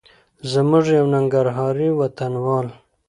زموږ یو ننګرهاري وطنوال